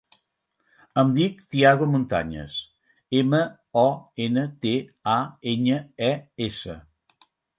Em dic Thiago Montañes: ema, o, ena, te, a, enya, e, essa.